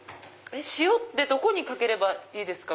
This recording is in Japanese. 塩ってどこにかければいいですか？